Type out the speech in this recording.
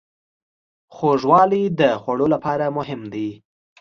خوږوالی د خوړو لپاره مهم دی.